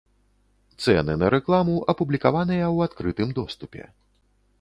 Цэны на рэкламу апублікаваныя ў адкрытым доступе.